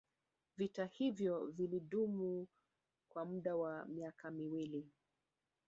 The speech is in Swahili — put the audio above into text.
Vita hivyo vilidumu kwa muda wa miaka miwili